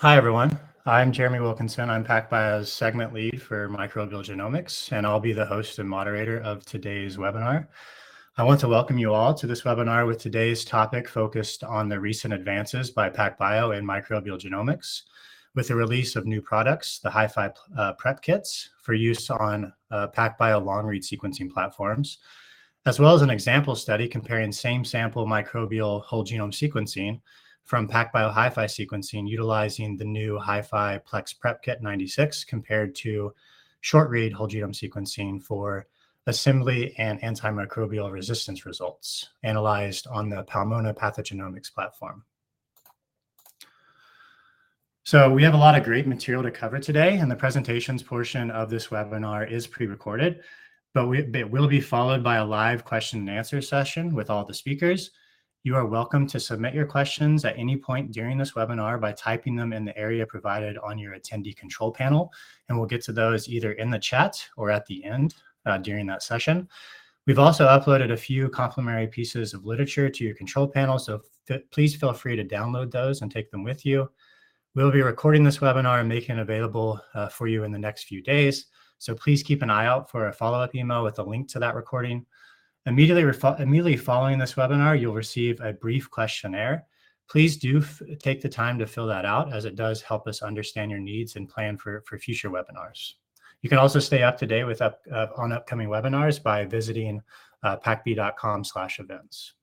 Hi everyone. I'm Jeremy Wilkinson. I'm PacBio's segment lead for microbial genomics, and I'll be the host and moderator of today's webinar. I want to welcome you all to this webinar with today's topic focused on the recent advances by PacBio in microbial genomics, with the release of new products, the HiFi Prep Kits, for use on PacBio long-read sequencing platforms, as well as an example study comparing same-sample microbial whole genome sequencing from PacBio HiFi sequencing utilizing the new HiFi Plex Prep Kit 96 compared to short-read whole genome sequencing for assembly and antimicrobial resistance results analyzed on the Pathogenomix platform. We have a lot of great material to cover today, and the presentations portion of this webinar is prerecorded, but it will be followed by a live question-and-answer session with all the speakers. You are welcome to submit your questions at any point during this webinar by typing them in the area provided on your attendee control panel, and we'll get to those either in the chat or at the end during that session. We've also uploaded a few complimentary pieces of literature to your control panel, so please feel free to download those and take them with you. We'll be recording this webinar and making it available for you in the next few days, so please keep an eye out for a follow-up email with a link to that recording. Immediately following this webinar, you'll receive a brief questionnaire. Please do take the time to fill that out as it does help us understand your needs and plan for future webinars. You can also stay up to date on upcoming webinars by visiting pacb.com/events.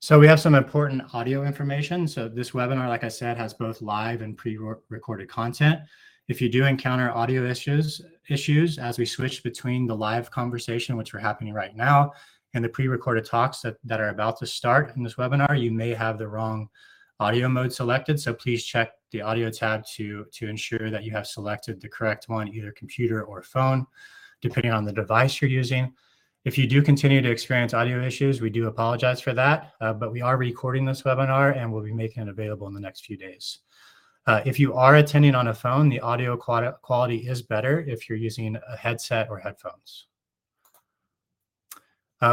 So we have some important audio information. This webinar, like I said, has both live and prerecorded content. If you do encounter audio issues as we switch between the live conversation, which we're having right now, and the prerecorded talks that are about to start in this webinar, you may have the wrong audio mode selected, so please check the audio tab to ensure that you have selected the correct one, either computer or phone, depending on the device you're using. If you do continue to experience audio issues, we do apologize for that, but we are recording this webinar and will be making it available in the next few days. If you are attending on a phone, the audio quality is better if you're using a headset or headphones.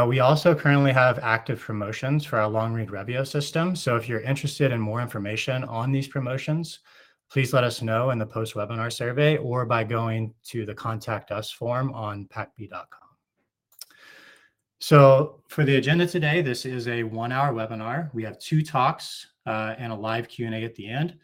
We also currently have active promotions for our long-read Revio system, so if you're interested in more information on these promotions, please let us know in the post-webinar survey or by going to the Contact Us form on pacb.com. So for the agenda today, this is a one-hour webinar. We have two talks and a live Q&A at the end.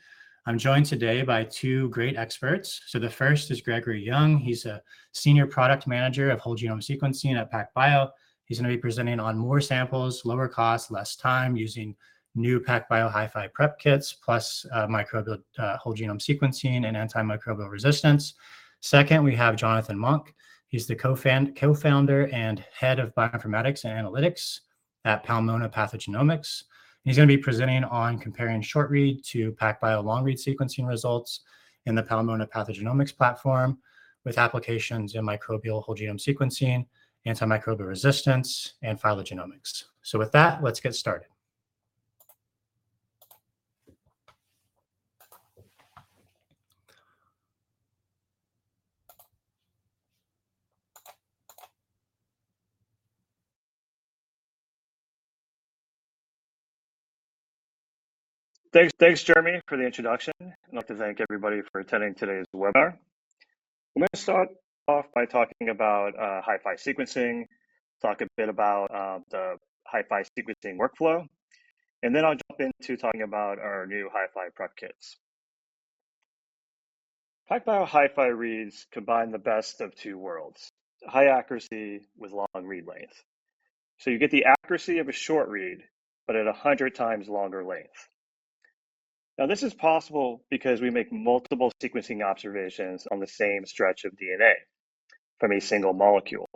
I'm joined today by two great experts. So the first is Gregory Young. He's a senior product manager of whole genome sequencing at PacBio. He's going to be presenting on more samples, lower cost, less time using new PacBio HiFi Prep Kits, plus microbial whole genome sequencing and antimicrobial resistance. Second, we have Jonathan Monk. He's the co-founder and head of bioinformatics and analytics at Pathogenomix, and he's going to be presenting on comparing short-read to PacBio long-read sequencing results in the Pathogenomix platform with applications in microbial whole genome sequencing, antimicrobial resistance, and phylogenomics. So with that, let's get started. Thanks, Jeremy, for the introduction. I'd like to thank everybody for attending today's webinar. I'm going to start off by talking about HiFi sequencing, talk a bit about the HiFi sequencing workflow, and then I'll jump into talking about our new HiFi Prep Kits. PacBio HiFi reads combine the best of two worlds: high accuracy with long read length. So you get the accuracy of a short read, but at 100x longer length. Now, this is possible because we make multiple sequencing observations on the same stretch of DNA from a single molecule.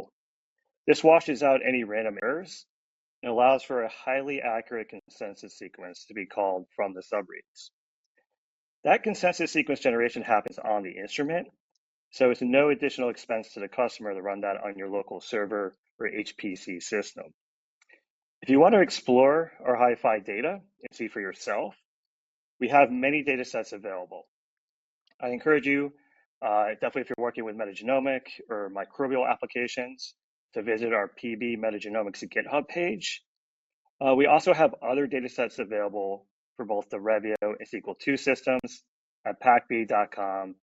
This washes out any random errors and allows for a highly accurate consensus sequence to be called from the sub-reads. That consensus sequence generation happens on the instrument, so it's no additional expense to the customer to run that on your local server or HPC system. If you want to explore our HiFi data and see for yourself, we have many datasets available. I encourage you, definitely if you're working with metagenomic or microbial applications, to visit our PB Metagenomics GitHub page. We also have other datasets available for both the Revio and Sequel II systems at pacb.com/datasets.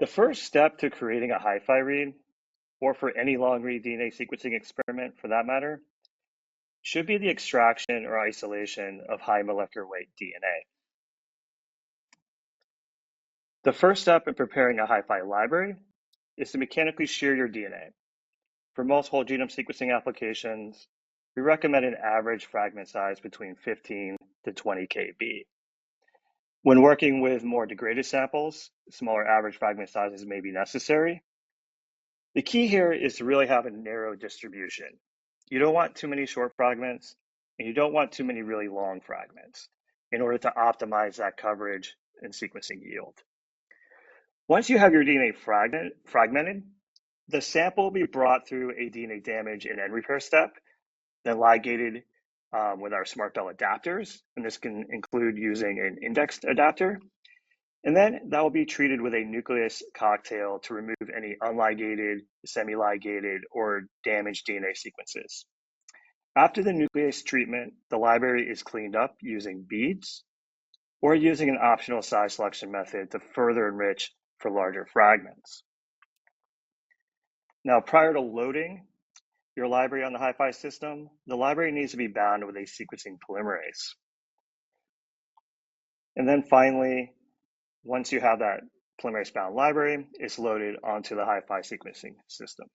The first step to creating a HiFi read, or for any long-read DNA sequencing experiment for that matter, should be the extraction or isolation of high molecular weight DNA. The first step in preparing a HiFi library is to mechanically shear your DNA. For most whole genome sequencing applications, we recommend an average fragment size between 15-20 kb. When working with more degraded samples, smaller average fragment sizes may be necessary. The key here is to really have a narrow distribution. You don't want too many short fragments, and you don't want too many really long fragments in order to optimize that coverage and sequencing yield. Once you have your DNA fragmented, the sample will be brought through a DNA damage and end repair step, then ligated with our SMRTbell adapters, and this can include using an indexed adapter. Then that will be treated with a nuclease cocktail to remove any unligated, semi-ligated, or damaged DNA sequences. After the nuclease treatment, the library is cleaned up using beads or using an optional size selection method to further enrich for larger fragments. Now, prior to loading your library on the HiFi system, the library needs to be bound with a sequencing polymerase. Then finally, once you have that polymerase-bound library, it's loaded onto the HiFi sequencing system.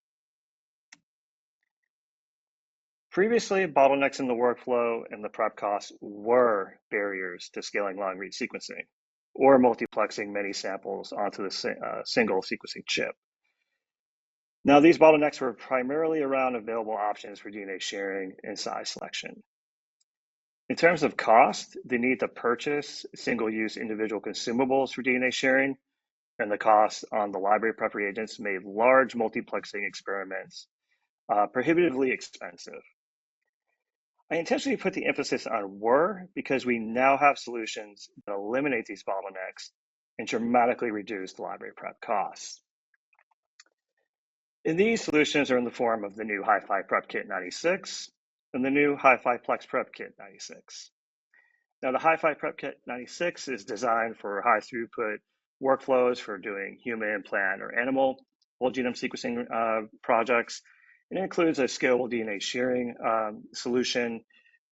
Previously, bottlenecks in the workflow and the prep costs were barriers to scaling long-read sequencing or multiplexing many samples onto the single sequencing chip. Now, these bottlenecks were primarily around available options for DNA shearing and size selection. In terms of cost, the need to purchase single-use individual consumables for DNA shearing and the cost on the library prep reagents made large multiplexing experiments prohibitively expensive. I intentionally put the emphasis on "were" because we now have solutions that eliminate these bottlenecks and dramatically reduce the library prep costs. These solutions are in the form of the new HiFi Prep Kit 96 and the new HiFi Plex Prep Kit 96. Now, the HiFi Prep Kit 96 is designed for high-throughput workflows for doing human, plant or animal whole genome sequencing projects, and it includes a scalable DNA shearing solution.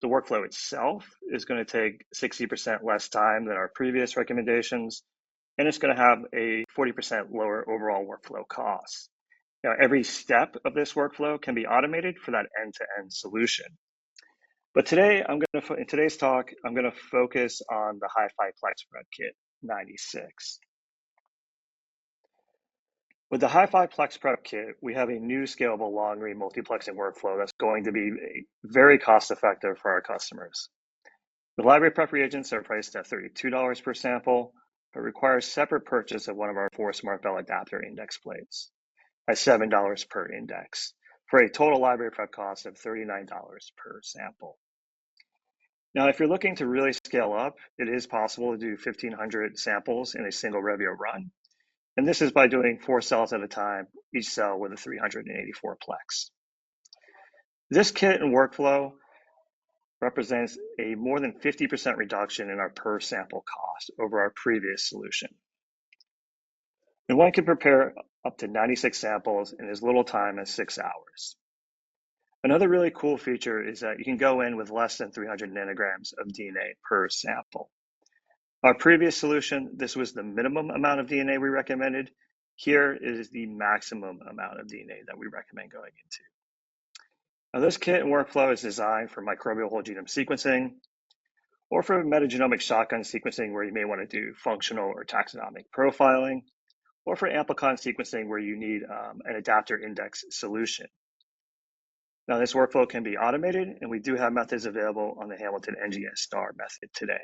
The workflow itself is going to take 60% less time than our previous recommendations, and it's going to have a 40% lower overall workflow cost. Now, every step of this workflow can be automated for that end-to-end solution. But today, in today's talk, I'm going to focus on the HiFi Plex Prep Kit 96. With the HiFi Plex Prep Kit, we have a new scalable long-read multiplexing workflow that's going to be very cost-effective for our customers. The library prep reagents are priced at $32 per sample but require separate purchase of one of our four SMRTbell adapter index plates at $7 per index for a total library prep cost of $39 per sample. Now, if you're looking to really scale up, it is possible to do 1,500 samples in a single Revio run, and this is by doing four cells at a time, each cell with a 384 Plex. This kit and workflow represents a more than 50% reduction in our per-sample cost over our previous solution. One can prepare up to 96 samples in as little time as six hours. Another really cool feature is that you can go in with less than 300 nanograms of DNA per sample. Our previous solution, this was the minimum amount of DNA we recommended. Here is the maximum amount of DNA that we recommend going into. Now, this kit and workflow is designed for microbial whole genome sequencing or for metagenomic shotgun sequencing, where you may want to do functional or taxonomic profiling, or for amplicon sequencing where you need an adapter index solution. Now, this workflow can be automated, and we do have methods available on the Hamilton NGS STAR method today.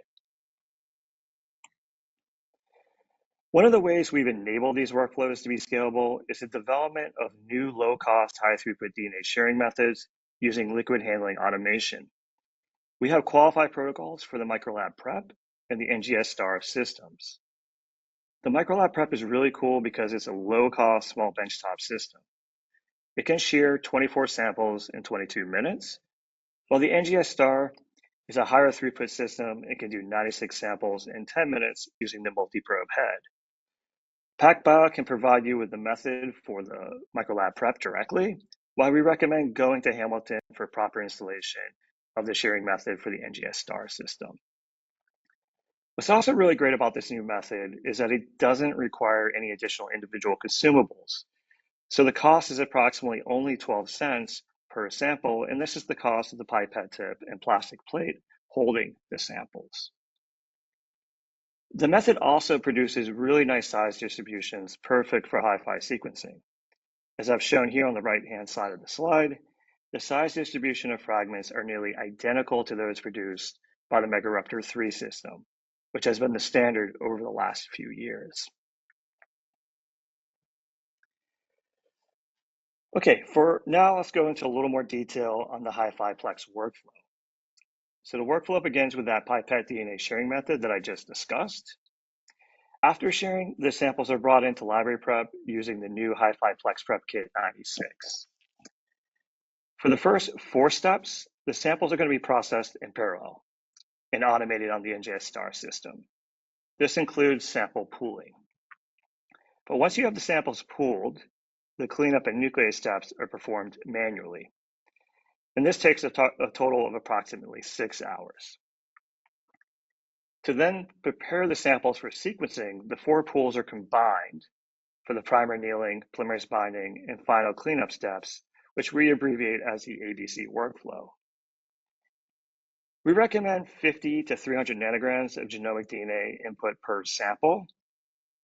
One of the ways we've enabled these workflows to be scalable is the development of new low-cost, high-throughput DNA shearing methods using liquid handling automation. We have qualified protocols for the Microlab PREP and the NGS STAR systems. The Microlab PREP is really cool because it's a low-cost, small benchtop system. It can shear 24 samples in 22 minutes, while the NGS STAR is a higher-throughput system. It can do 96 samples in 10 minutes using the multiprobe head. PacBio can provide you with the method for the Microlab PREP directly, while we recommend going to Hamilton for proper installation of the shearing method for the NGS STAR system. What's also really great about this new method is that it doesn't require any additional individual consumables. So the cost is approximately only $0.12 per sample, and this is the cost of the pipette tip and plastic plate holding the samples. The method also produces really nice size distributions, perfect for HiFi sequencing. As I've shown here on the right-hand side of the slide, the size distribution of fragments is nearly identical to those produced by the Megaruptor 3 system, which has been the standard over the last few years. Okay, for now, let's go into a little more detail on the HiFi Plex workflow. So the workflow begins with that pipette DNA shearing method that I just discussed. After shearing, the samples are brought into library prep using the new HiFi Plex Prep Kit 96. For the first four steps, the samples are going to be processed in parallel and automated on the NGS STAR system. This includes sample pooling. But once you have the samples pooled, the cleanup and NGS steps are performed manually, and this takes a total of approximately six hours. To then prepare the samples for sequencing, the four pools are combined for the primer annealing, polymerase binding, and final cleanup steps, which we abbreviate as the ABC workflow. We recommend 50-300 nanograms of genomic DNA input per sample.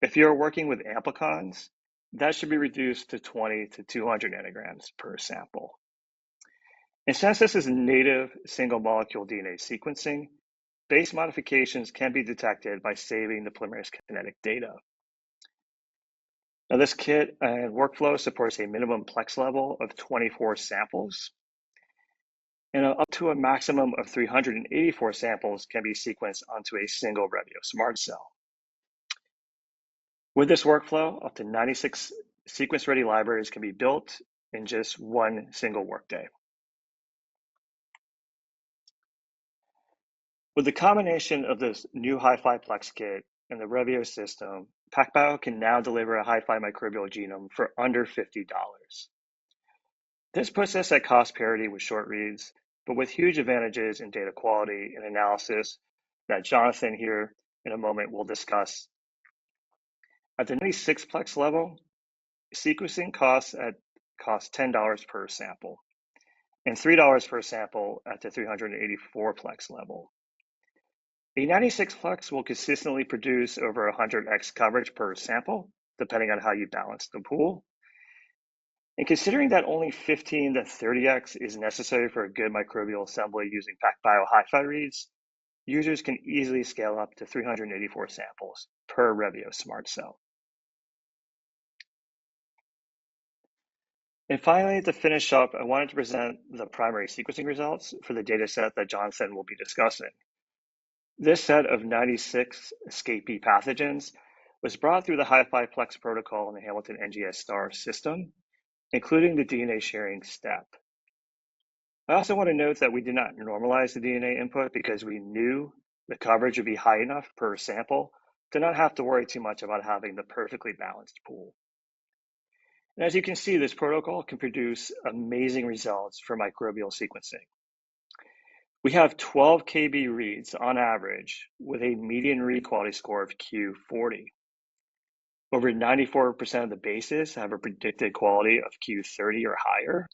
If you're working with amplicons, that should be reduced to 20-200 nanograms per sample. And since this is native single-molecule DNA sequencing, base modifications can be detected by saving the polymerase kinetic data. Now, this kit and workflow supports a minimum Plex level of 24 samples, and up to a maximum of 384 samples can be sequenced onto a single Revio SMRT cell. With this workflow, up to 96 sequence-ready libraries can be built in just one single workday. With the combination of this new HiFi Plex Kit and the Revio system, PacBio can now deliver a HiFi microbial genome for under $50. This puts us at cost parity with short-reads, but with huge advantages in data quality and analysis that Jonathan here in a moment will discuss. At the 96-Plex level, sequencing costs $10 per sample and $3 per sample at the 384 Plex level. A 96-Plex will consistently produce over 100x coverage per sample, depending on how you balance the pool. And considering that only 15x-30x is necessary for a good microbial assembly using PacBio HiFi reads, users can easily scale up to 384 samples per Revio SMRT cell. And finally, to finish up, I wanted to present the primary sequencing results for the dataset that Jonathan will be discussing. This set of 96 ESKAPE pathogens was brought through the HiFi Plex protocol in the Hamilton NGS STAR system, including the DNA shearing step. I also want to note that we did not normalize the DNA input because we knew the coverage would be high enough per sample to not have to worry too much about having the perfectly balanced pool. As you can see, this protocol can produce amazing results for microbial sequencing. We have 12 KB reads on average with a median read quality score of Q40. Over 94% of the bases have a predicted quality of Q30 or higher,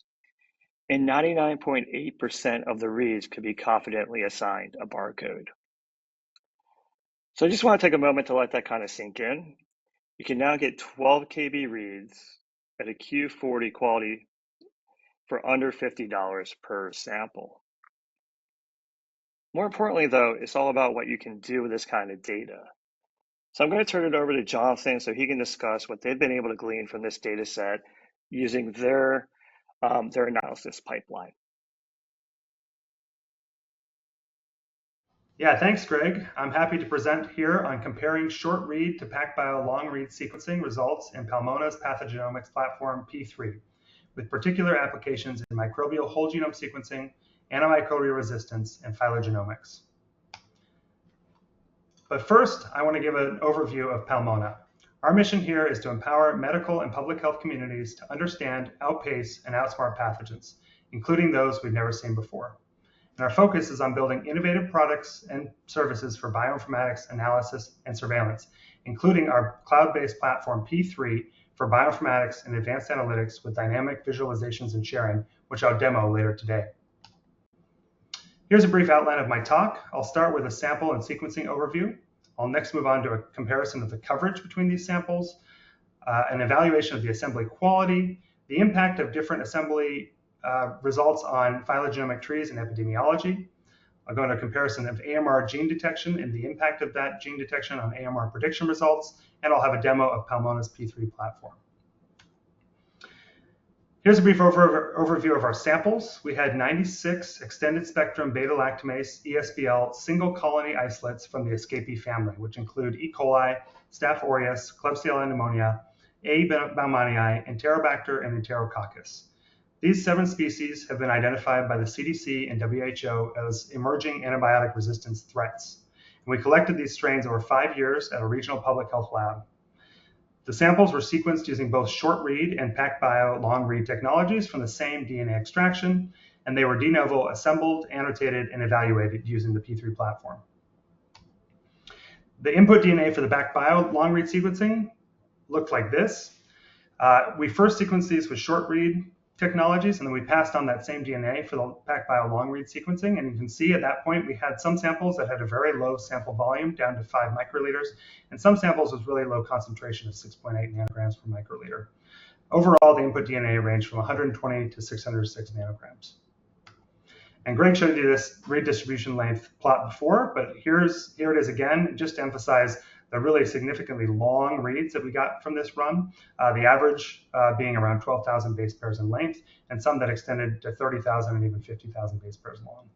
and 99.8% of the reads could be confidently assigned a barcode. I just want to take a moment to let that kind of sink in. You can now get 12 KB reads at a Q40 quality for under $50 per sample. More importantly, though, it's all about what you can do with this kind of data. So I'm going to turn it over to Jonathan so he can discuss what they've been able to glean from this dataset using their analysis pipeline. Yeah, thanks, Greg. I'm happy to present here on comparing short-read to PacBio long-read sequencing results in Pathogenomix's Platform P3, with particular applications in microbial whole genome sequencing, antimicrobial resistance, and phylogenomics. But first, I want to give an overview of Pathogenomix. Our mission here is to empower medical and public health communities to understand, outpace, and outsmart pathogens, including those we've never seen before. And our focus is on building innovative products and services for bioinformatics, analysis, and surveillance, including our cloud-based platform P3 for bioinformatics and advanced analytics with dynamic visualizations and sharing, which I'll demo later today. Here's a brief outline of my talk. I'll start with a sample and sequencing overview. I'll next move on to a comparison of the coverage between these samples, an evaluation of the assembly quality, the impact of different assembly results on phylogenomic trees and epidemiology. I'll go into a comparison of AMR gene detection and the impact of that gene detection on AMR prediction results. I'll have a demo of Pathogenomix's P3 platform. Here's a brief overview of our samples. We had 96 extended-spectrum beta-lactamase, ESBL, single colony isolates from the ESKAPE family, which include E. coli, Staph aureus, Klebsiella pneumoniae, A. baumannii, Enterobacter and Enterococcus. These seven species have been identified by the CDC and WHO as emerging antibiotic resistance threats. We collected these strains over 5 years at a regional public health lab. The samples were sequenced using both short-read and PacBio long-read technologies from the same DNA extraction. They were de novo assembled, annotated, and evaluated using the P3 platform. The input DNA for the PacBio long-read sequencing looked like this. We first sequenced these with short-read technologies, and then we passed on that same DNA for the PacBio long-read sequencing. And you can see at that point, we had some samples that had a very low sample volume, down to 5 microliters, and some samples with really low concentration of 6.8 nanograms per microliter. Overall, the input DNA ranged from 120-606 nanograms. And Greg showed you this read distribution length plot before, but here it is again, just to emphasize the really significantly long reads that we got from this run, the average being around 12,000 base pairs in length and some that extended to 30,000 and even 50,000 base pairs long.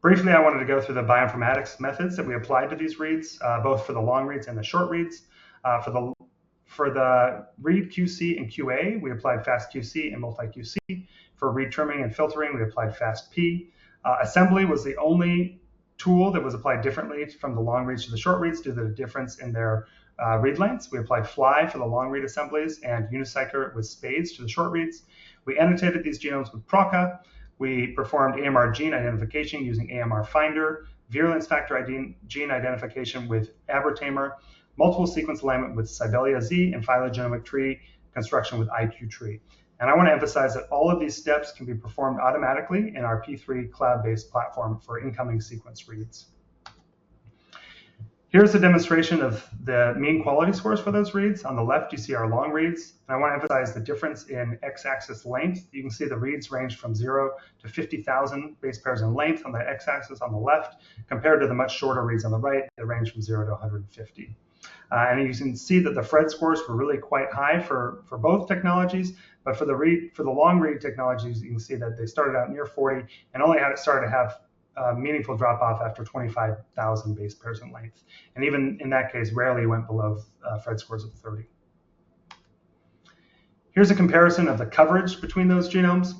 Briefly, I wanted to go through the bioinformatics methods that we applied to these reads, both for the long-reads and the short-reads. For the read QC and QA, we applied FastQC and MultiQC. For read trimming and filtering, we applied fastp. Assembly was the only tool that was applied differently from the long-reads to the short-reads due to the difference in their read lengths. We applied Flye for the long-read assemblies and Unicycler with SPAdes to the short-reads. We annotated these genomes with Prokka. We performed AMR gene identification using AMRFinder, virulence factor gene identification with ABRicate, multiple sequence alignment with SibeliaZ, and phylogenomic tree construction with IQ-TREE. And I want to emphasize that all of these steps can be performed automatically in our P3 cloud-based platform for incoming sequence reads. Here's a demonstration of the mean quality scores for those reads. On the left, you see our long-reads. I want to emphasize the difference in x-axis length. You can see the reads range from 0-50,000 base pairs in length on the x-axis on the left, compared to the much shorter reads on the right that range from 0-150. You can see that the Phred scores were really quite high for both technologies. But for the long-read technologies, you can see that they started out near 40 and only started to have meaningful drop-off after 25,000 base pairs in length. And even in that case, rarely went below Phred scores of 30. Here's a comparison of the coverage between those genomes,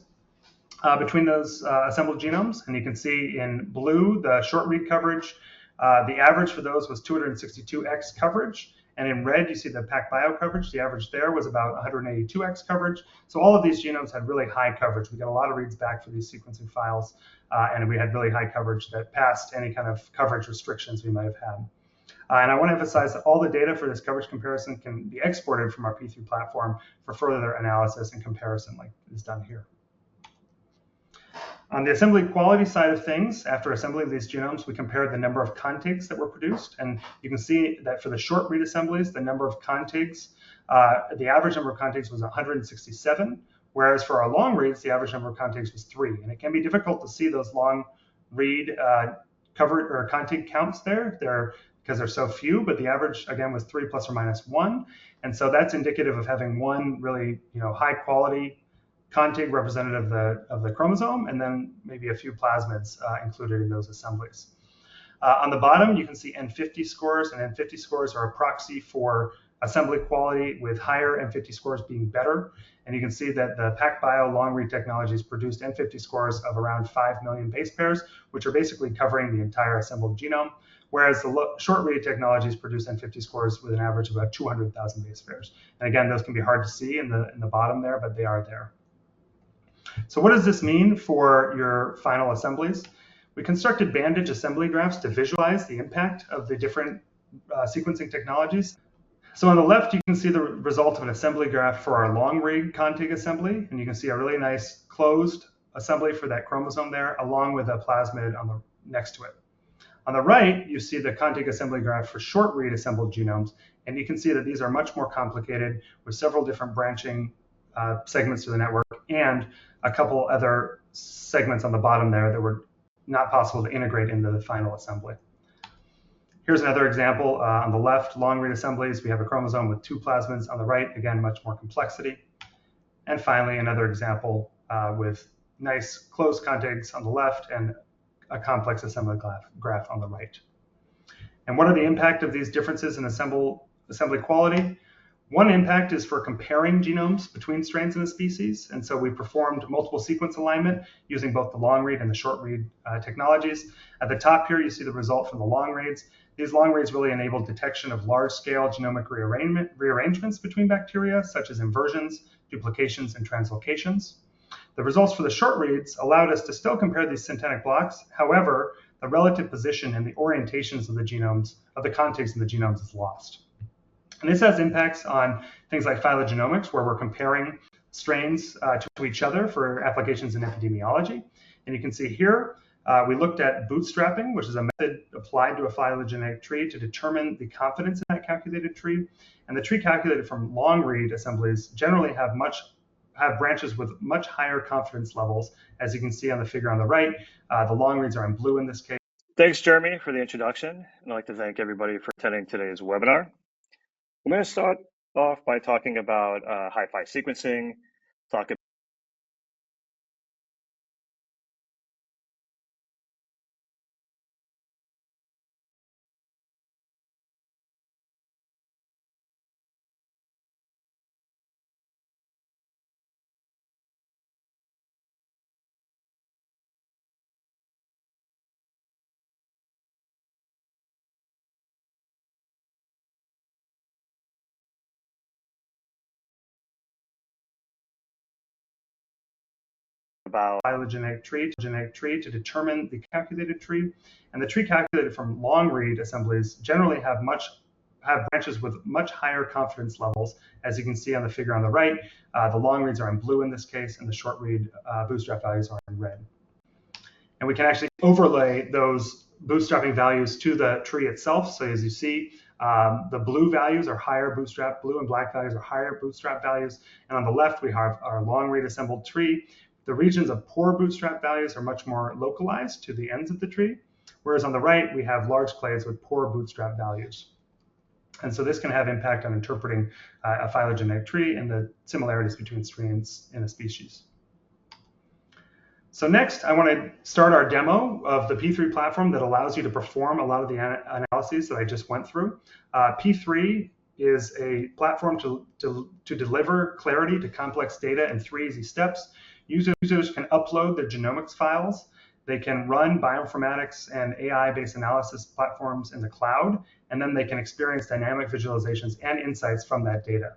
between those assembled genomes. You can see in blue, the short-read coverage, the average for those was 262x coverage. In red, you see the PacBio coverage. The average there was about 182x coverage. All of these genomes had really high coverage. We got a lot of reads back for these sequencing files, and we had really high coverage that passed any kind of coverage restrictions we might have had. I want to emphasize that all the data for this coverage comparison can be exported from our P3 platform for further analysis and comparison, like is done here. On the assembly quality side of things, after assembling these genomes, we compared the number of contigs that were produced. You can see that for the short-read assemblies, the number of contigs, the average number of contigs was 167, whereas for our long-reads, the average number of contigs was 3. It can be difficult to see those long-read contig counts there because they're so few. The average, again, was 3 ± 1. And so that's indicative of having one really high-quality contig representative of the chromosome and then maybe a few plasmids included in those assemblies. On the bottom, you can see N50 scores. N50 scores are a proxy for assembly quality, with higher N50 scores being better. You can see that the PacBio long-read technologies produced N50 scores of around 5 million base pairs, which are basically covering the entire assembled genome, whereas the short-read technologies produce N50 scores with an average of about 200,000 base pairs. Again, those can be hard to see in the bottom there, but they are there. So what does this mean for your final assemblies? We constructed Bandage assembly graphs to visualize the impact of the different sequencing technologies. On the left, you can see the result of an assembly graph for our long-read contig assembly. You can see a really nice closed assembly for that chromosome there, along with a plasmid next to it. On the right, you see the contig assembly graph for short-read assembled genomes. And you can see that these are much more complicated, with several different branching segments to the network and a couple other segments on the bottom there that were not possible to integrate into the final assembly. Here's another example. On the left, long-read assemblies, we have a chromosome with two plasmids. On the right, again, much more complexity. And finally, another example with nice closed contigs on the left and a complex assembly graph on the right. And what are the impacts of these differences in assembly quality? One impact is for comparing genomes between strains and the species. And so we performed multiple sequence alignment using both the long-read and the short-read technologies. At the top here, you see the result from the long-reads. These long-reads really enabled detection of large-scale genomic rearrangements between bacteria, such as inversions, duplications, and translocations. The results for the short-reads allowed us to still compare these synthetic blocks. However, the relative position and the orientations of the genomes, of the contigs in the genomes, is lost. This has impacts on things like phylogenomics, where we're comparing strains to each other for applications in epidemiology. You can see here, we looked at bootstrapping, which is a method applied to a phylogenetic tree to determine the confidence in that calculated tree. The tree calculated from long-read assemblies generally have branches with much higher confidence levels, as you can see on the figure on the right. The long-reads are in blue in this case. Thanks, Jeremy, for the introduction. I'd like to thank everybody for attending today's webinar. I'm going to start off by talking about HiFi sequencing, talk about. About phylogenetic tree to determine the calculated tree. The tree calculated from long-read assemblies generally have branches with much higher confidence levels, as you can see on the figure on the right. The long-reads are in blue in this case, and the short-read bootstrap values are in red. We can actually overlay those bootstrapping values to the tree itself. So as you see, the blue values are higher bootstrap blue, and black values are higher bootstrap values. On the left, we have our long-read assembled tree. The regions of poor bootstrap values are much more localized to the ends of the tree, whereas on the right, we have large clades with poor bootstrap values. This can have impact on interpreting a phylogenetic tree and the similarities between strains in a species. So next, I want to start our demo of the P3 platform that allows you to perform a lot of the analyses that I just went through. P3 is a platform to deliver clarity to complex data in three easy steps. Users can upload their genomics files. They can run bioinformatics and AI-based analysis platforms in the cloud. And then they can experience dynamic visualizations and insights from that data.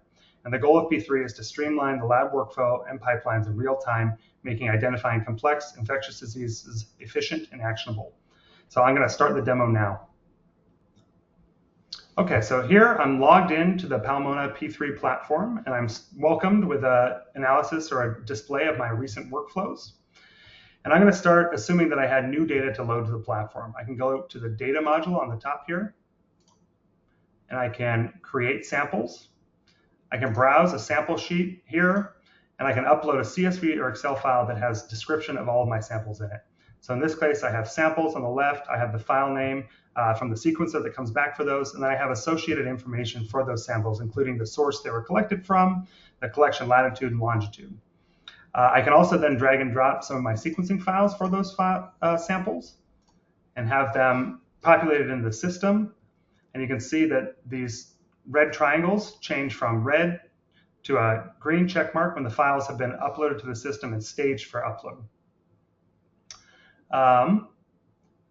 And the goal of P3 is to streamline the lab workflow and pipelines in real time, making identifying complex infectious diseases efficient and actionable. So I'm going to start the demo now. OK, so here, I'm logged into the Portal P3 platform. And I'm welcomed with an analysis or a display of my recent workflows. And I'm going to start assuming that I had new data to load to the platform. I can go to the data module on the top here. I can create samples. I can browse a sample sheet here. I can upload a CSV or Excel file that has a description of all of my samples in it. So in this case, I have samples on the left. I have the file name from the sequencer that comes back for those. Then I have associated information for those samples, including the source they were collected from, the collection latitude and longitude. I can also then drag and drop some of my sequencing files for those samples and have them populated in the system. You can see that these red triangles change from red to a green check mark when the files have been uploaded to the system and staged for upload.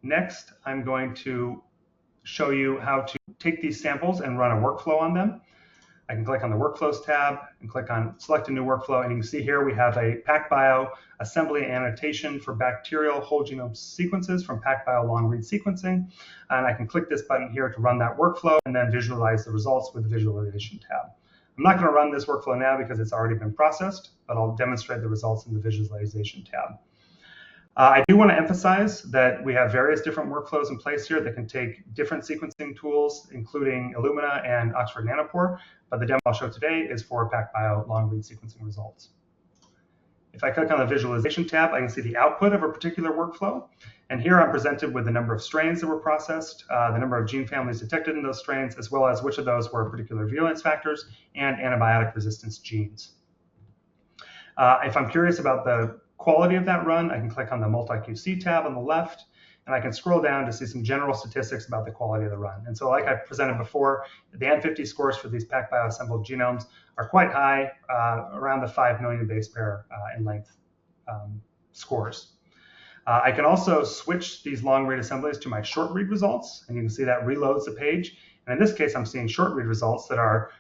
Next, I'm going to show you how to take these samples and run a workflow on them. I can click on the Workflows tab and click on Select a New Workflow. You can see here, we have a PacBio assembly annotation for bacterial whole genome sequences from PacBio long-read sequencing. I can click this button here to run that workflow and then visualize the results with the Visualization tab. I'm not going to run this workflow now because it's already been processed. I'll demonstrate the results in the Visualization tab. I do want to emphasize that we have various different workflows in place here that can take different sequencing tools, including Illumina and Oxford Nanopore. The demo I'll show today is for PacBio long-read sequencing results. If I click on the Visualization tab, I can see the output of a particular workflow. Here, I'm presented with the number of strains that were processed, the number of gene families detected in those strains, as well as which of those were particular virulence factors and antibiotic resistance genes. If I'm curious about the quality of that run, I can click on the MultiQC tab on the left. I can scroll down to see some general statistics about the quality of the run. So, like I presented before, the N50 scores for these PacBio assembled genomes are quite high, around the 5 million base pair in length scores. I can also switch these long-read assemblies to my short-read results. You can see that reloads the page. In this case, I'm seeing short-read results that are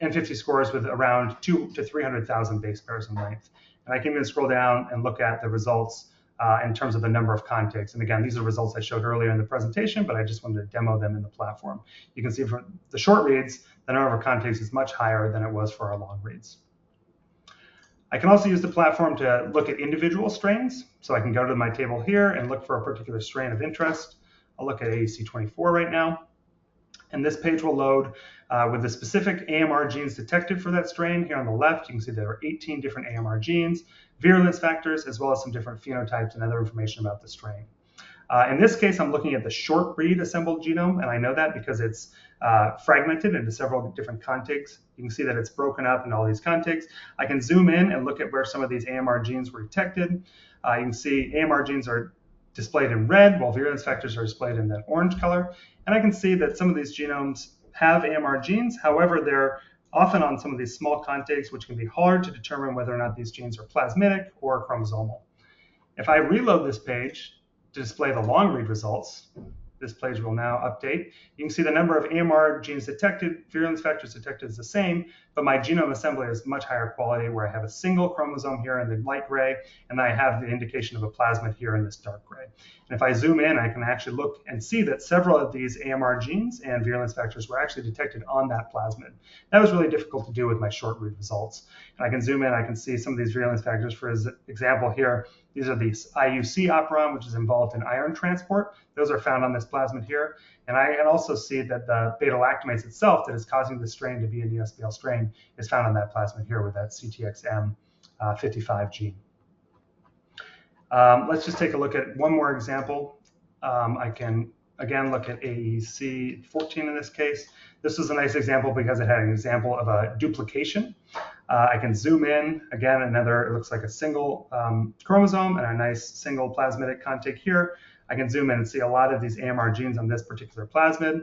N50 scores with around 2,000-300,000 base pairs in length. I can even scroll down and look at the results in terms of the number of contigs. Again, these are results I showed earlier in the presentation. I just wanted to demo them in the platform. You can see for the short-reads, the number of contigs is much higher than it was for our long-reads. I can also use the platform to look at individual strains. I can go to my table here and look for a particular strain of interest. I'll look at AEC24 right now. This page will load with the specific AMR genes detected for that strain. Here on the left, you can see there are 18 different AMR genes, virulence factors, as well as some different phenotypes and other information about the strain. In this case, I'm looking at the short-read assembled genome. I know that because it's fragmented into several different contigs. You can see that it's broken up into all these contigs. I can zoom in and look at where some of these AMR genes were detected. You can see, AMR genes are displayed in red, while virulence factors are displayed in that orange color. I can see that some of these genomes have AMR genes. However, they're often on some of these small contigs, which can be hard to determine whether or not these genes are plasmidic or chromosomal. If I reload this page to display the long-read results, this page will now update. You can see the number of AMR genes detected, virulence factors detected is the same. My genome assembly is much higher quality, where I have a single chromosome here in the light gray. And then I have the indication of a plasmid here in this dark gray. And if I zoom in, I can actually look and see that several of these AMR genes and virulence factors were actually detected on that plasmid. That was really difficult to do with my short-read results. And I can zoom in. I can see some of these virulence factors. For example, here, these are the IUC operon, which is involved in iron transport. Those are found on this plasmid here. And I can also see that the beta-lactamase itself that is causing the strain to be an ESBL strain is found on that plasmid here with that CTX-M-55 gene. Let's just take a look at one more example. I can, again, look at AEC14 in this case. This was a nice example because it had an example of a duplication. I can zoom in. Again, another—it looks like a single chromosome and a nice single plasmidic contig here. I can zoom in and see a lot of these AMR genes on this particular plasmid.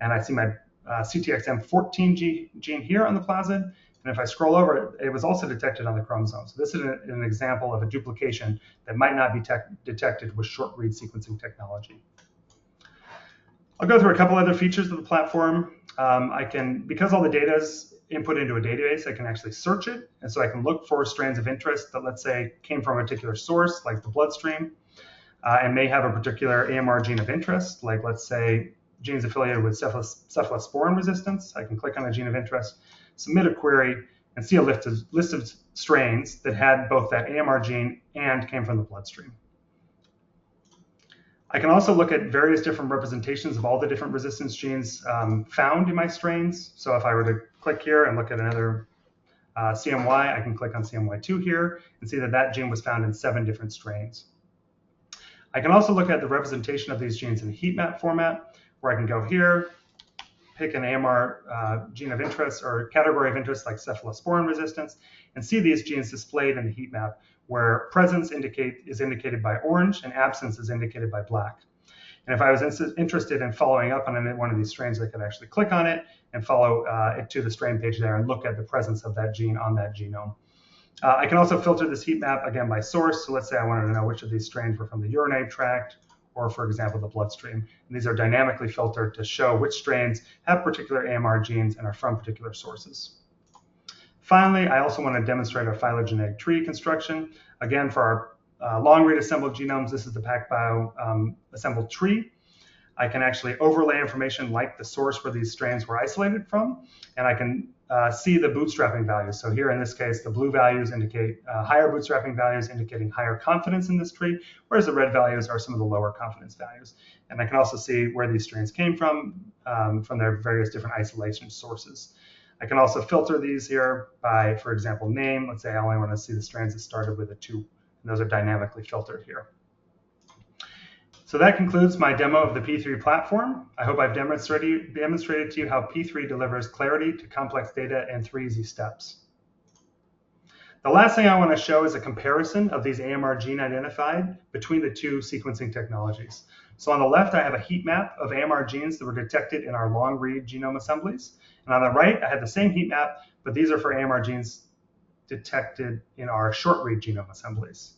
And I see my CTX-M-14 gene here on the plasmid. And if I scroll over, it was also detected on the chromosome. So this is an example of a duplication that might not be detected with short-read sequencing technology. I'll go through a couple other features of the platform. Because all the data is input into a database, I can actually search it. And so I can look for strains of interest that, let's say, came from a particular source, like the bloodstream, and may have a particular AMR gene of interest, like, let's say, genes affiliated with cephalosporin resistance. I can click on a gene of interest, submit a query, and see a list of strains that had both that AMR gene and came from the bloodstream. I can also look at various different representations of all the different resistance genes found in my strains. So if I were to click here and look at another CMY, I can click on CMY-2 here and see that that gene was found in seven different strains. I can also look at the representation of these genes in a heat map format, where I can go here, pick an AMR gene of interest or category of interest, like cephalosporin resistance, and see these genes displayed in the heat map, where presence is indicated by orange and absence is indicated by black. And if I was interested in following up on any one of these strains, I could actually click on it and follow it to the strain page there and look at the presence of that gene on that genome. I can also filter this heat map, again, by source. So let's say I wanted to know which of these strains were from the urinary tract or, for example, the bloodstream. And these are dynamically filtered to show which strains have particular AMR genes and are from particular sources. Finally, I also want to demonstrate our phylogenetic tree construction. Again, for our long-read assembled genomes, this is the PacBio assembled tree. I can actually overlay information like the source where these strains were isolated from. And I can see the bootstrapping values. Here, in this case, the blue values indicate higher bootstrapping values indicating higher confidence in this tree, whereas the red values are some of the lower confidence values. I can also see where these strains came from, from their various different isolation sources. I can also filter these here by, for example, name. Let's say I only want to see the strains that started with a 2. Those are dynamically filtered here. That concludes my demo of the P3 platform. I hope I've demonstrated to you how P3 delivers clarity to complex data in three easy steps. The last thing I want to show is a comparison of these AMR gene identified between the two sequencing technologies. On the left, I have a heat map of AMR genes that were detected in our long-read genome assemblies. On the right, I have the same heat map. But these are for AMR genes detected in our short-read genome assemblies.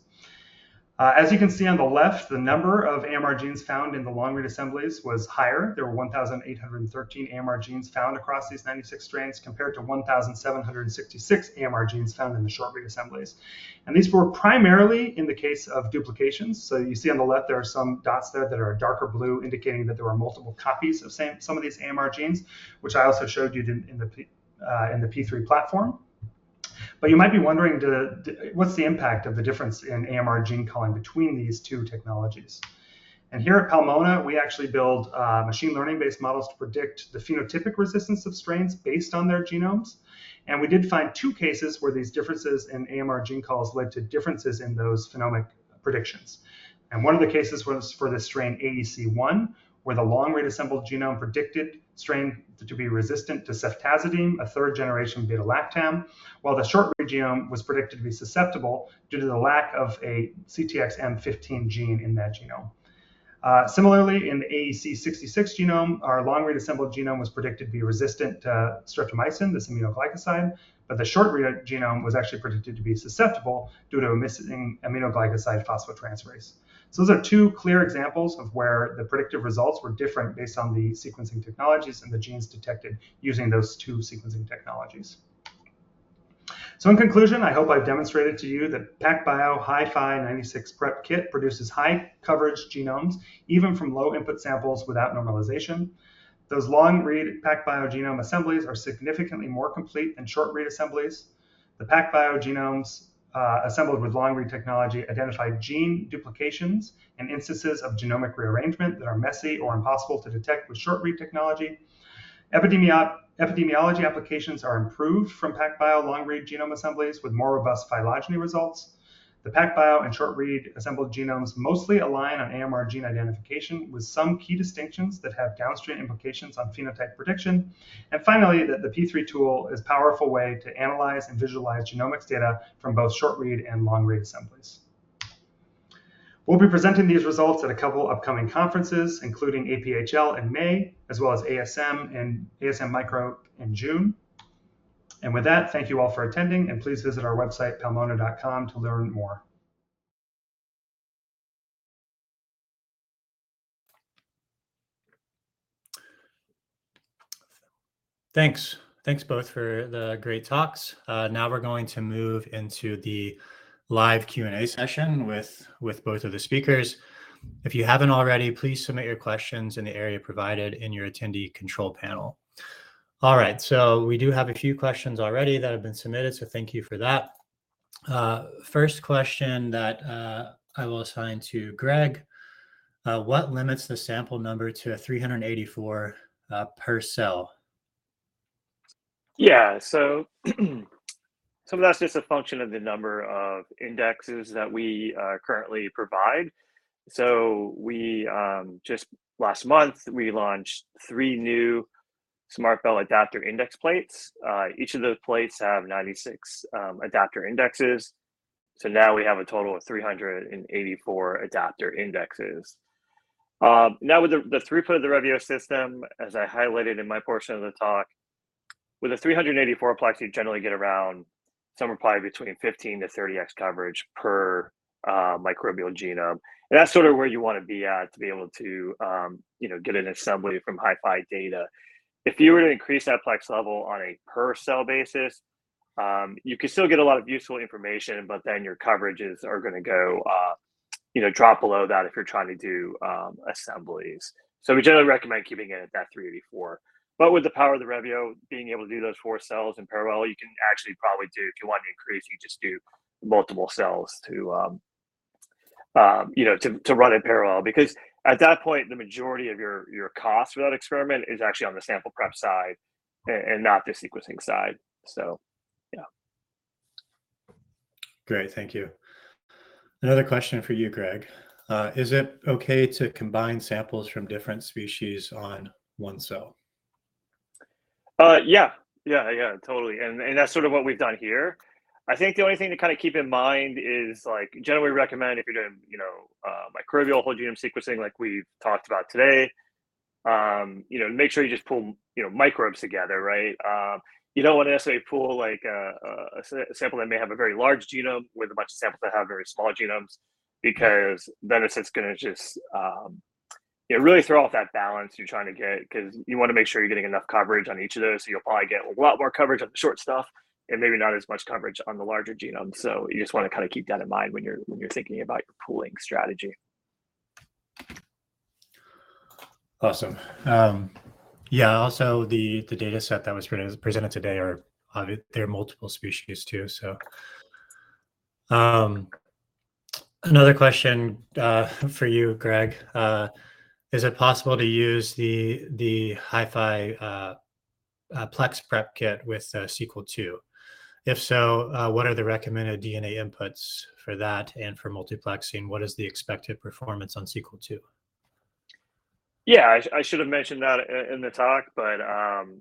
As you can see on the left, the number of AMR genes found in the long-read assemblies was higher. There were 1,813 AMR genes found across these 96 strains compared to 1,766 AMR genes found in the short-read assemblies. And these were primarily in the case of duplications. So you see on the left, there are some dots there that are darker blue, indicating that there were multiple copies of some of these AMR genes, which I also showed you in the P3 platform. But you might be wondering, what's the impact of the difference in AMR gene calling between these two technologies? And here at Pathogenomix, we actually build machine learning-based models to predict the phenotypic resistance of strains based on their genomes. We did find two cases where these differences in AMR gene calls led to differences in those phenotypic predictions. One of the cases was for the strain AEC1, where the long-read-assembled genome predicted the strain to be resistant to ceftazidime, a third-generation beta-lactam, while the short-read genome was predicted to be susceptible due to the lack of a CTX-M-15 gene in that genome. Similarly, in the AEC66 genome, our long-read-assembled genome was predicted to be resistant to streptomycin, this aminoglycoside. The short-read genome was actually predicted to be susceptible due to a missing aminoglycoside phosphotransferase. Those are two clear examples of where the predictive results were different based on the sequencing technologies and the genes detected using those two sequencing technologies. So in conclusion, I hope I've demonstrated to you that PacBio HiFi Prep Kit 96 produces high-coverage genomes even from low-input samples without normalization. Those long-read PacBio genome assemblies are significantly more complete than short-read assemblies. The PacBio genomes assembled with long-read technology identified gene duplications and instances of genomic rearrangement that are messy or impossible to detect with short-read technology. Epidemiology applications are improved from PacBio long-read genome assemblies with more robust phylogeny results. The PacBio and short-read assembled genomes mostly align on AMR gene identification with some key distinctions that have downstream implications on phenotype prediction. And finally, that the P3 tool is a powerful way to analyze and visualize genomics data from both short-read and long-read assemblies. We'll be presenting these results at a couple of upcoming conferences, including APHL in May, as well as ASM Microbe in June. And with that, thank you all for attending. Please visit our website, pathogenomix.com, to learn more. Thanks. Thanks both for the great talks. Now we're going to move into the live Q&A session with both of the speakers. If you haven't already, please submit your questions in the area provided in your attendee control panel. All right. So we do have a few questions already that have been submitted. So thank you for that. First question that I will assign to Greg. What limits the sample number to 384 per cell? Yeah. So some of that's just a function of the number of indexes that we currently provide. So just last month, we launched 3 new SMRTbell adapter index plates. Each of those plates has 96 adapter indexes. So now we have a total of 384 adapter indexes. Now, with the throughput of the Revio system, as I highlighted in my portion of the talk, with a 384 Plex, you generally get around somewhere probably between 15-30x coverage per microbial genome. And that's sort of where you want to be at to be able to get an assembly from HiFi data. If you were to increase that Plex level on a per-cell basis, you could still get a lot of useful information. But then your coverages are going to drop below that if you're trying to do assemblies. So we generally recommend keeping it at that 384. But with the power of the Revio, being able to do those 4 cells in parallel, you can actually probably do if you want to increase, you just do multiple cells to run in parallel. Because at that point, the majority of your cost for that experiment is actually on the sample prep side and not the sequencing side. So yeah. Great. Thank you. Another question for you, Greg. Is it OK to combine samples from different species on one cell? Yeah. Yeah. Yeah. Totally. And that's sort of what we've done here. I think the only thing to kind of keep in mind is generally recommend if you're doing microbial whole genome sequencing like we've talked about today, make sure you just pull microbes together, right? You don't want to necessarily pull a sample that may have a very large genome with a bunch of samples that have very small genomes because then it's going to just really throw off that balance you're trying to get because you want to make sure you're getting enough coverage on each of those. So you'll probably get a lot more coverage on the short stuff and maybe not as much coverage on the larger genome. So you just want to kind of keep that in mind when you're thinking about your pooling strategy. Awesome. Yeah. Also, the data set that was presented today, there are multiple species too. So another question for you, Greg. Is it possible to use the HiFi Plex Prep Kit with Sequel II? If so, what are the recommended DNA inputs for that and for multiplexing? What is the expected performance on Sequel II? Yeah. I should have mentioned that in the talk. But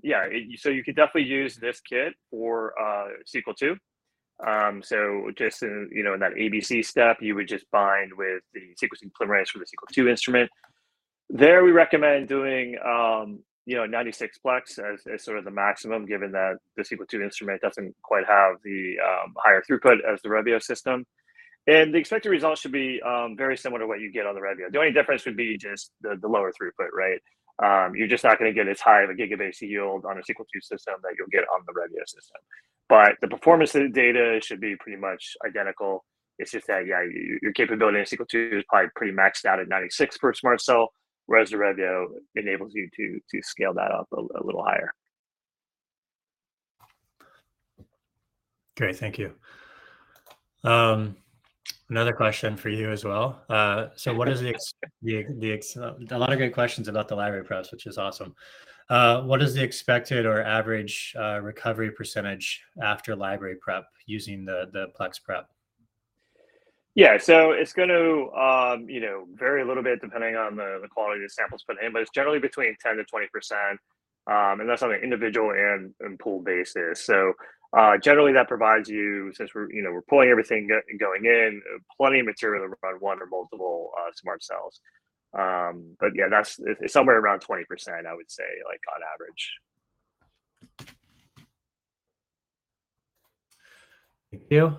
yeah. So you could definitely use this kit for Sequel II. So just in that ABC step, you would just bind with the sequencing polymerase for the Sequel II instrument. There, we recommend doing 96 Plex as sort of the maximum, given that the Sequel II instrument doesn't quite have the higher throughput as the Revio system. And the expected results should be very similar to what you get on the Revio. The only difference would be just the lower throughput, right? You're just not going to get as high of a gigabase yield on a Sequel II system that you'll get on the Revio system. But the performance of the data should be pretty much identical. It's just that, yeah, your capability in Sequel II is probably pretty maxed out at 96 per SMRT cell, whereas the Revio enables you to scale that up a little higher. Great. Thank you. Another question for you as well. So, a lot of great questions about the library preps, which is awesome. What is the expected or average recovery percentage after library prep using the Plex Prep? Yeah. So it's going to vary a little bit depending on the quality of the samples put in. But it's generally between 10%-20%. And that's on an individual and pool basis. So generally, that provides you, since we're pulling everything going in, plenty of material to run one or multiple SMRT cells. But yeah, it's somewhere around 20%, I would say, on average. Thank you.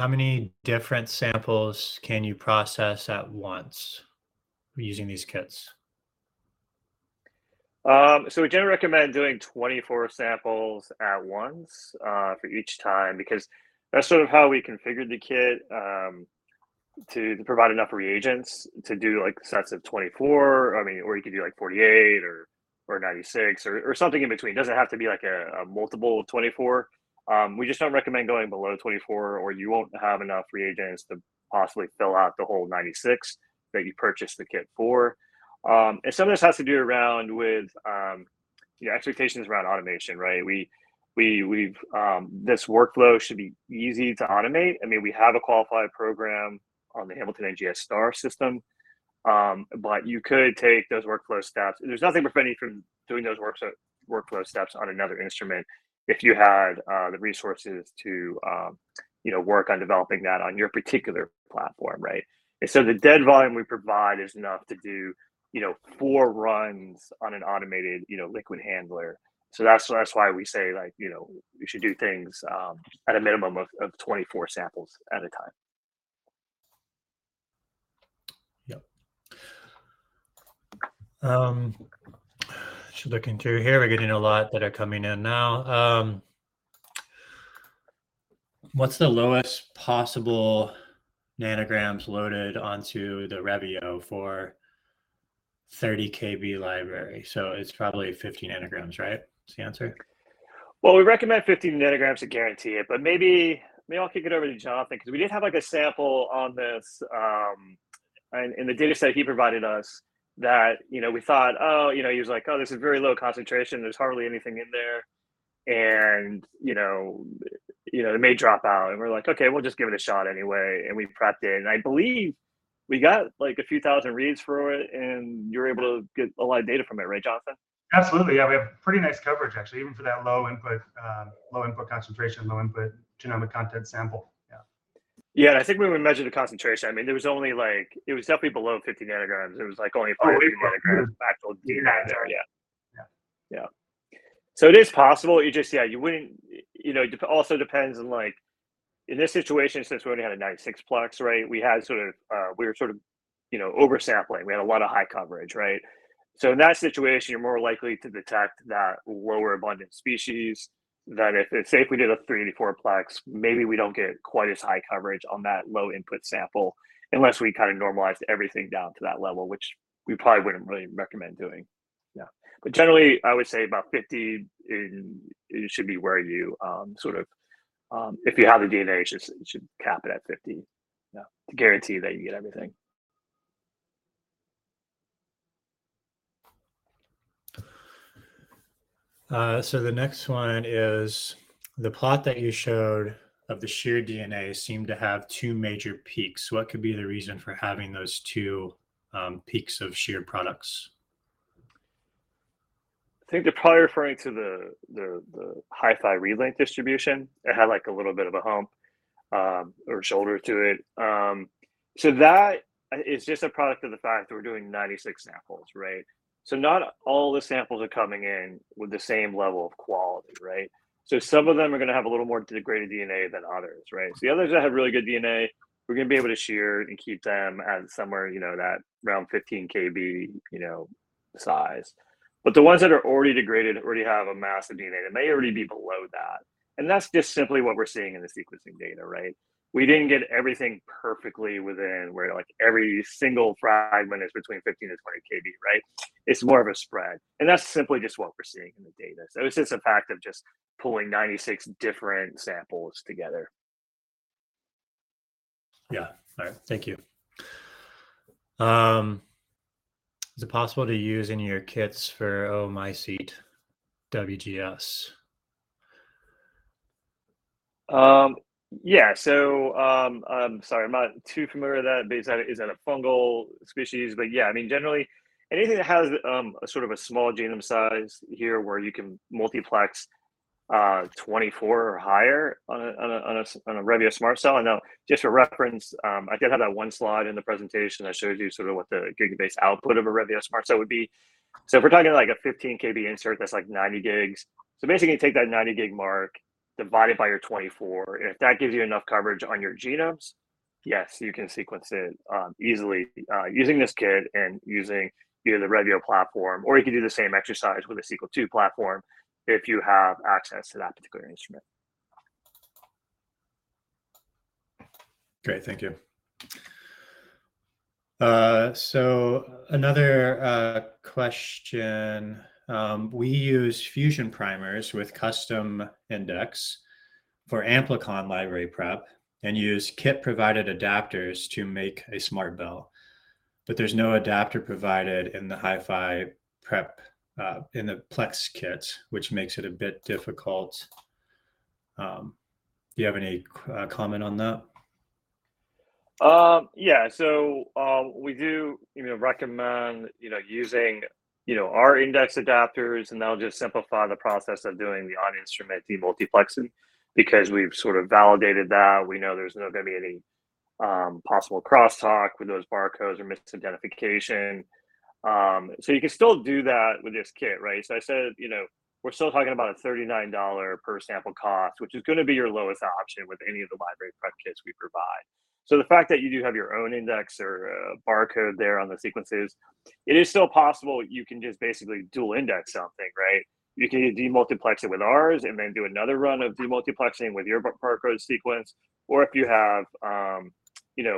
How many different samples can you process at once using these kits? So we generally recommend doing 24 samples at once for each time because that's sort of how we configured the kit to provide enough reagents to do sets of 24, or you could do 48 or 96 or something in between. It doesn't have to be a multiple of 24. We just don't recommend going below 24, or you won't have enough reagents to possibly fill out the whole 96 that you purchased the kit for. And some of this has to do around with expectations around automation, right? This workflow should be easy to automate. I mean, we have a qualified program on the Hamilton NGS STAR system. But you could take those workflow steps. There's nothing preventing you from doing those workflow steps on another instrument if you had the resources to work on developing that on your particular platform, right? And so the dead volume we provide is enough to do 4 runs on an automated liquid handler. So that's why we say you should do things at a minimum of 24 samples at a time. Yep. Just looking through here. We're getting a lot that are coming in now. What's the lowest possible nanograms loaded onto the Revio for 30 KB library? So it's probably 50 nanograms, right? Is the answer? Well, we recommend 50 nanograms to guarantee it. But maybe I'll kick it over to Jonathan because we did have a sample on this in the data set he provided us that we thought, oh, he was like, "Oh, there's a very low concentration. There's hardly anything in there. And it may drop out." And we're like, "OK, we'll just give it a shot anyway." And we prepped it. And I believe we got a few thousand reads for it. And you were able to get a lot of data from it, right, Jonathan? Absolutely. Yeah. We have pretty nice coverage, actually, even for that low-input concentration, low-input genomic content sample. Yeah. Yeah. I think when we measured the concentration, I mean, there was only. It was definitely below 50 nanograms. It was only 50 nanograms of actual DNA there. Yeah. Yeah. It is possible. Yeah. It also depends on in this situation, since we only had a 96 Plex, right, we had sort of we were sort of oversampling. We had a lot of high coverage, right? So in that situation, you're more likely to detect that lower abundance species than if, say, if we did a 384 Plex, maybe we don't get quite as high coverage on that low-input sample unless we kind of normalized everything down to that level, which we probably wouldn't really recommend doing. Yeah. Generally, I would say about 50 should be where you sort of if you have the DNA, you should cap it at 50 to guarantee that you get everything. The next one is the plot that you showed of the sheared DNA seemed to have two major peaks. What could be the reason for having those two peaks of sheared products? I think they're probably referring to the HiFi read length distribution. It had a little bit of a hump or shoulder to it. So that is just a product of the fact that we're doing 96 samples, right? So not all the samples are coming in with the same level of quality, right? So some of them are going to have a little more degraded DNA than others, right? So the others that have really good DNA, we're going to be able to shear and keep them at somewhere around 15 KB size. But the ones that are already degraded already have massively degraded DNA. They may already be below that. And that's just simply what we're seeing in the sequencing data, right? We didn't get everything perfectly within where every single fragment is between 15-20 KB, right? It's more of a spread. That's simply just what we're seeing in the data. It's just a fact of just pulling 96 different samples together. Yeah. All right. Thank you. Is it possible to use in your kits for oomycete WGS? Yeah. So I'm sorry. I'm not too familiar with that. Is that a fungal species? But yeah. I mean, generally, anything that has sort of a small genome size here where you can multiplex 24 or higher on a Revio SMRT cell. And now, just for reference, I did have that one slide in the presentation that showed you sort of what the gigabase output of a Revio SMRT cell would be. So if we're talking about a 15 KB insert that's 90 gigs, so basically, you take that 90 gig mark, divide it by your 24. And if that gives you enough coverage on your genomes, yes, you can sequence it easily using this kit and using either the Revio platform. Or you could do the same exercise with a Sequel II platform if you have access to that particular instrument. Great. Thank you. So another question. We use fusion primers with custom index for Amplicon library prep and use kit-provided adapters to make a SMRTbell. But there's no adapter provided in the HiFi Prep in the plex kits, which makes it a bit difficult. Do you have any comment on that? Yeah. So we do recommend using our index adapters. And that'll just simplify the process of doing the on-instrument demultiplexing because we've sort of validated that. We know there's not going to be any possible crosstalk with those barcodes or misidentification. So you can still do that with this kit, right? So I said we're still talking about a $39 per sample cost, which is going to be your lowest option with any of the library prep kits we provide. So the fact that you do have your own index or barcode there on the sequences, it is still possible you can just basically dual index something, right? You can demultiplex it with ours and then do another run of demultiplexing with your barcode sequence. Or,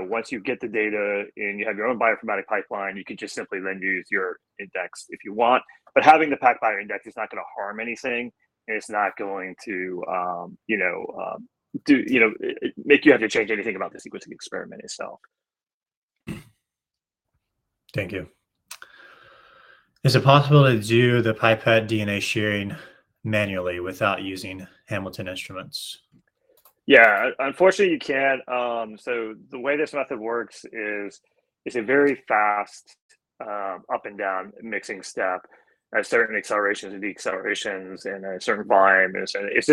once you get the data and you have your own bioinformatic pipeline, you could just simply then use your index if you want. But having the PacBio index is not going to harm anything. And it's not going to make you have to change anything about the sequencing experiment itself. Thank you. Is it possible to do the pipette DNA shearing manually without using Hamilton instruments? Yeah. Unfortunately, you can't. So the way this method works is it's a very fast up-and-down mixing step at certain accelerations and decelerations and a certain volume. And it's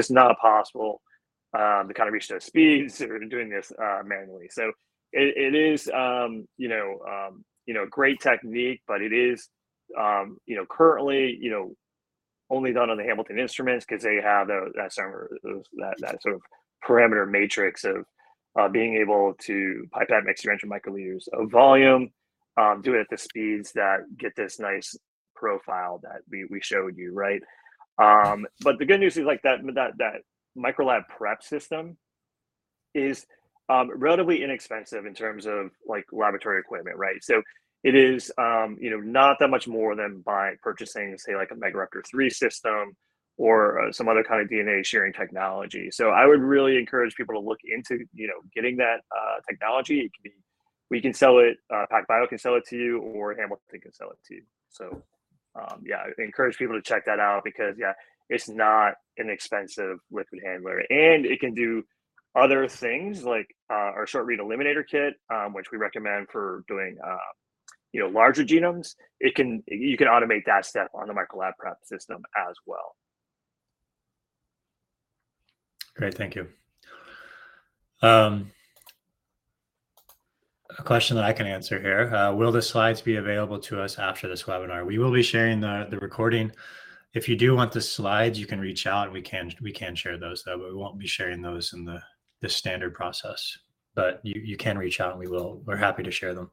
just not possible to kind of reach those speeds or doing this manually. So it is a great technique. But it is currently only done on the Hamilton instruments because they have that sort of parameter matrix of being able to pipette mixed-dimensional microliters of volume, do it at the speeds that get this nice profile that we showed you, right? But the good news is that Microlab PREP system is relatively inexpensive in terms of laboratory equipment, right? So it is not that much more than purchasing, say, a Megaruptor 3 system or some other kind of DNA shearing technology. So I would really encourage people to look into getting that technology. We can sell it. PacBio can sell it to you. Or Hamilton can sell it to you. So yeah, I encourage people to check that out because, yeah, it's not an expensive liquid handler. And it can do other things like our Short Read Eliminator Kit, which we recommend for doing larger genomes. You can automate that step on the Microlab PREP system as well. Great. Thank you. A question that I can answer here. Will the slides be available to us after this webinar? We will be sharing the recording. If you do want the slides, you can reach out. And we can share those, though. But we won't be sharing those in the standard process. But you can reach out. And we're happy to share them.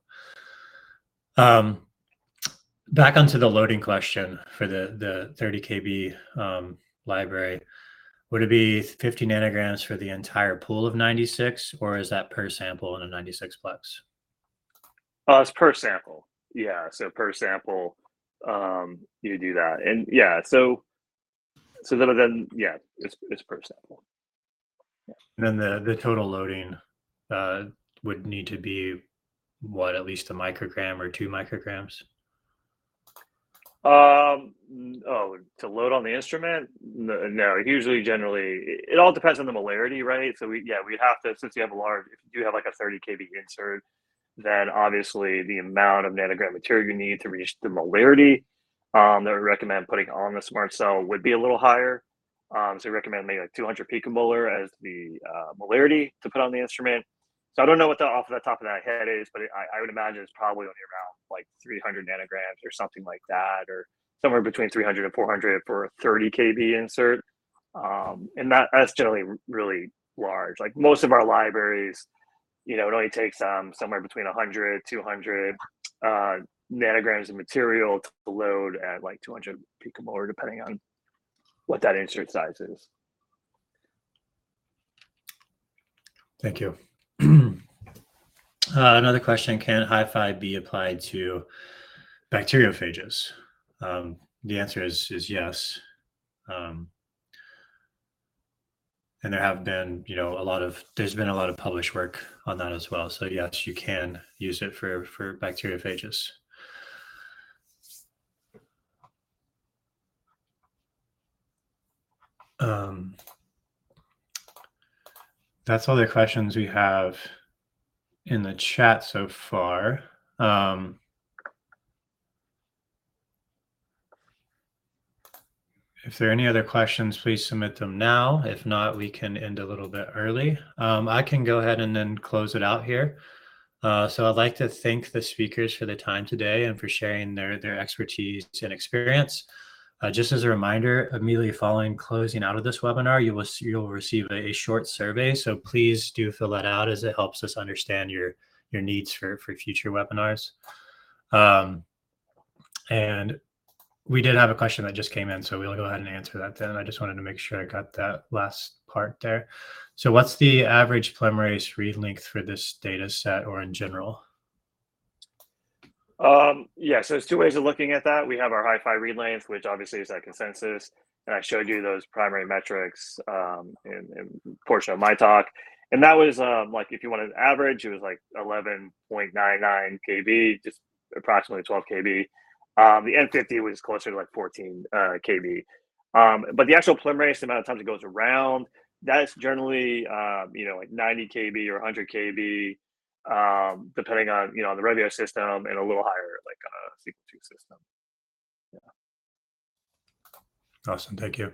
Back onto the loading question for the 30 KB library. Would it be 50 nanograms for the entire pool of 96? Or is that per sample in a 96 plex? It's per sample. Yeah. So per sample, you do that. Yeah. So then again, yeah, it's per sample. Then the total loading would need to be what, at least a microgram or 2 micrograms? Oh, to load on the instrument? No. It all depends on the molarity, right? So yeah, we'd have to since you have a large if you do have a 30 KB insert, then obviously, the amount of nanogram material you need to reach the molarity that we recommend putting on the SMRT Cell would be a little higher. So we recommend maybe 200 picomolar as the molarity to put on the instrument. So I don't know what the off the top of my head is. But I would imagine it's probably only around 300 nanograms or something like that or somewhere between 300-400 for a 30 KB insert. And that's generally really large. Most of our libraries, it only takes somewhere between 100-200 nanograms of material to load at 200 picomolar depending on what that insert size is. Thank you. Another question. Can HiFi be applied to bacteriophages? The answer is yes. And there's been a lot of published work on that as well. So yes, you can use it for bacteriophages. That's all the questions we have in the chat so far. If there are any other questions, please submit them now. If not, we can end a little bit early. I can go ahead and then close it out here. I'd like to thank the speakers for their time today and for sharing their expertise and experience. Just as a reminder, immediately following closing out of this webinar, you'll receive a short survey. Please do fill that out as it helps us understand your needs for future webinars. We did have a question that just came in. We'll go ahead and answer that then. I just wanted to make sure I got that last part there. So what's the average polymerase read length for this data set or in general? Yeah. So there's two ways of looking at that. We have our HiFi read length, which obviously is that consensus. And I showed you those primary metrics in a portion of my talk. And if you wanted to average, it was 11.99 KB, just approximately 12 KB. The N50 was closer to 14 KB. But the actual polymerase, the amount of times it goes around, that's generally 90 KB or 100 KB depending on the Revio system and a little higher Sequel II system. Yeah. Awesome. Thank you.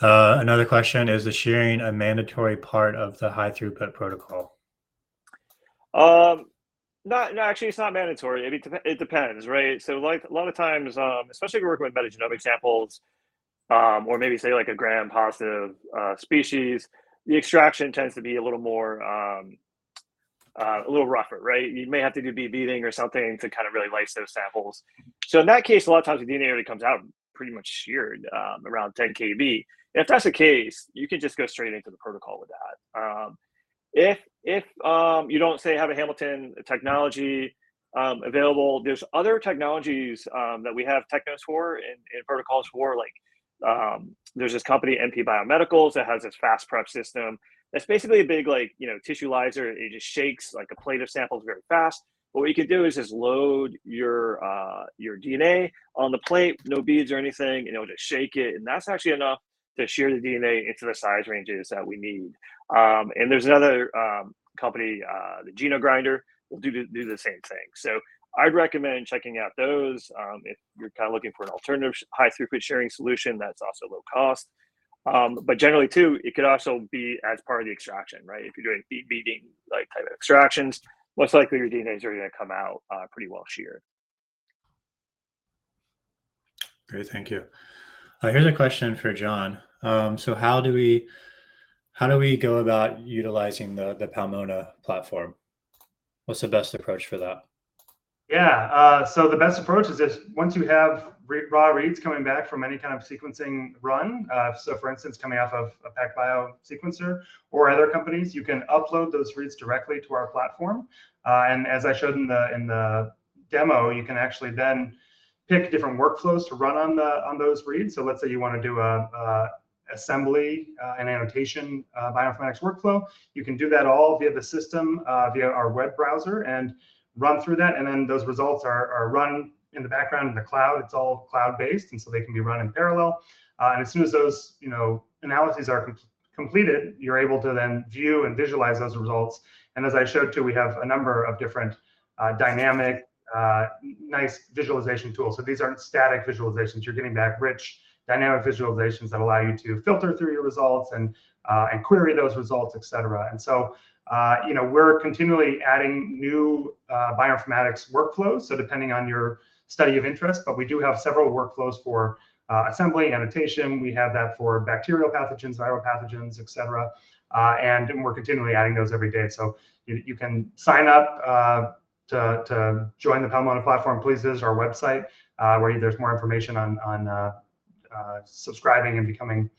Another question. Is the shearing a mandatory part of the high-throughput protocol? Actually, it's not mandatory. It depends, right? So a lot of times, especially if you're working with metagenomic samples or maybe, say, a Gram-positive species, the extraction tends to be a little more a little rougher, right? You may have to do bead-beating or something to kind of really lyse those samples. So in that case, a lot of times, the DNA already comes out pretty much sheared around 10 KB. If that's the case, you can just go straight into the protocol with that. If you don't, say, have a Hamilton technology available, there's other technologies that we have tech notes for and protocols for. There's this company, MP Biomedicals, that has this FastPrep system. It's basically a big tissue lyser. It just shakes a plate of samples very fast. But what you can do is just load your DNA on the plate, no beads or anything. It'll just shake it. That's actually enough to shear the DNA into the size ranges that we need. There's another company, the Geno/Grinder, that will do the same thing. So I'd recommend checking out those if you're kind of looking for an alternative high-throughput shearing solution that's also low cost. But generally, too, it could also be as part of the extraction, right? If you're doing bead-beating type of extractions, most likely, your DNA is already going to come out pretty well sheared. Great. Thank you. Here's a question for Jonathan. So how do we go about utilizing the Pathogenomix platform? What's the best approach for that? Yeah. So the best approach is just once you have raw reads coming back from any kind of sequencing run, so for instance, coming off of a PacBio sequencer or other companies, you can upload those reads directly to our platform. And as I showed in the demo, you can actually then pick different workflows to run on those reads. So let's say you want to do an assembly and annotation bioinformatics workflow. You can do that all via the system via our web browser and run through that. And then those results are run in the background in the cloud. It's all cloud-based. And so they can be run in parallel. And as soon as those analyses are completed, you're able to then view and visualize those results. And as I showed too, we have a number of different dynamic, nice visualization tools. So these aren't static visualizations. You're getting back rich, dynamic visualizations that allow you to filter through your results and query those results, et cetera. And so we're continually adding new bioinformatics workflows, so depending on your study of interest. But we do have several workflows for assembly, annotation. We have that for bacterial pathogens, viral pathogens, et cetera. And we're continually adding those every day. So you can sign up to join the Pathogenomix platform. Please visit our website where there's more information on subscribing and becoming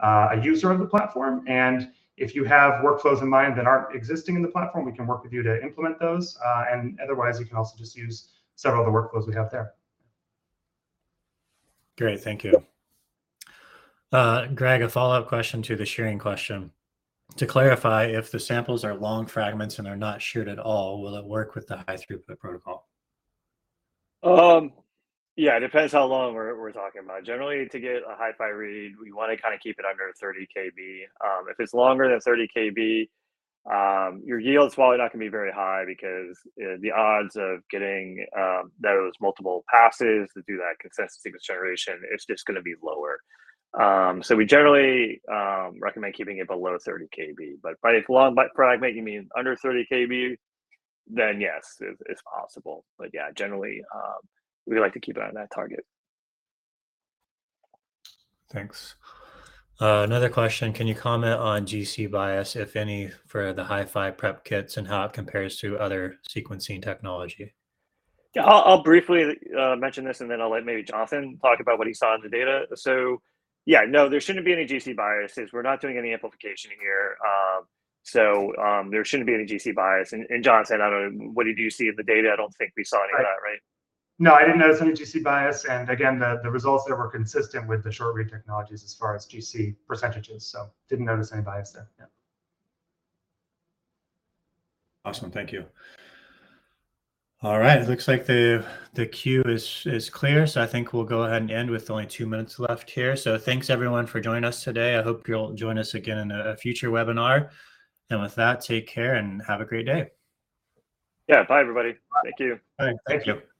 a user of the platform. And if you have workflows in mind that aren't existing in the platform, we can work with you to implement those. And otherwise, you can also just use several of the workflows we have there. Great. Thank you. Greg, a follow-up question to the shearing question. To clarify, if the samples are long fragments and they're not sheared at all, will it work with the high-throughput protocol? Yeah. It depends how long we're talking about. Generally, to get a HiFi read, we want to kind of keep it under 30 KB. If it's longer than 30 KB, your yield is probably not going to be very high because the odds of getting those multiple passes to do that consensus sequence generation, it's just going to be lower. So we generally recommend keeping it below 30 KB. But by long fragment, you mean under 30 KB? Then yes, it's possible. But yeah, generally, we like to keep it on that target. Thanks. Another question. Can you comment on GC bias, if any, for the HiFi prep kits and how it compares to other sequencing technology? Yeah. I'll briefly mention this. Then I'll let maybe Jonathan talk about what he saw in the data. So yeah, no, there shouldn't be any GC biases. We're not doing any amplification here. So there shouldn't be any GC bias. And Jonathan, I don't know. What did you see in the data? I don't think we saw any of that, right? No. I didn't notice any GC bias. Again, the results there were consistent with the short-read technologies as far as GC percentages. Didn't notice any bias there. Yeah. Awesome. Thank you. All right. It looks like the queue is clear. So I think we'll go ahead and end with only 2 minutes left here. So thanks, everyone, for joining us today. I hope you'll join us again in a future webinar. With that, take care and have a great day. Yeah. Bye, everybody. Thank you. Bye. Thank you.